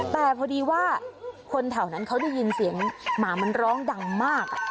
แต่พอดีว่าคนแถวนั้นเขาได้ยินเสียงหมามันร้องดังมาก